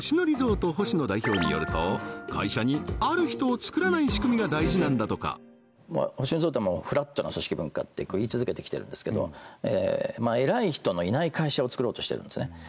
リゾート星野代表によると会社にある人を作らない仕組みが大事なんだとか星野リゾートはフラットな組織文化って言い続けてきてるんですけど偉い人のいない会社を作ろうとしているんですね